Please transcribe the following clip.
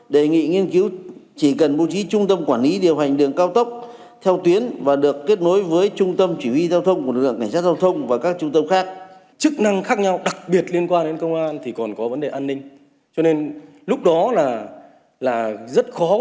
đề nghị nghiên cứu chỉ cần bố trí trung tâm quản lý điều hành đường cao tốc theo tuyến và được kết nối với trung tâm chỉ huy giao thông của lực lượng cảnh sát giao thông và các trung tâm khác